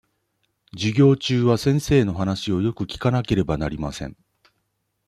授業中は先生の話をよく聞かなければなりません。